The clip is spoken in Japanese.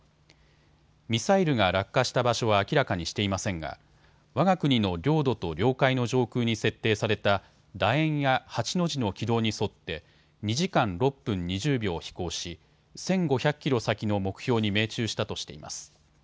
ミサイルが落下した場所は明らかにしていませんがわが国の領土と領海の上空に設定されただ円や８の字の軌道に沿って２時間６分２０秒を飛行し１５００キロ先の目標に命中したとしています。